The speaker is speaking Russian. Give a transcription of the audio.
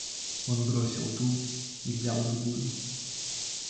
Он бросил ту и взял другую.